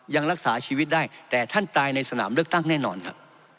ยังรักษาชีวิตได้แต่ท่านตายในสนามเลือกตั้งแน่นอนครับ